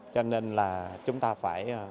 cho nên là chúng ta phải